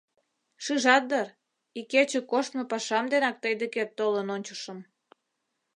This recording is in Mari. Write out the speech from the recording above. Шижат дыр, икече коштмо пашам денак тый декет толын ончышым.